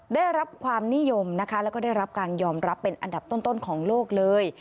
ได้รับความนิยมนะคะแล้วก็ได้รับการยอมรับเป็นอันดับต้นของโลกเลย